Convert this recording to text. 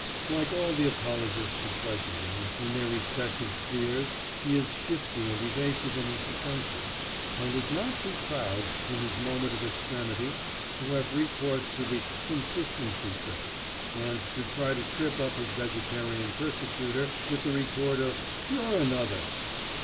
Like all the apologists of flesh eating, in their respective spheres, he is shifty and evasive in his defences, and is not too proud, in his moment of extremity, to have recourse to the "consistency trick," and to try to trip up his vegetarian persecutor with the retort of "You're another."